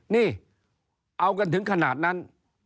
นี่เอากันถึงขนาดนั้น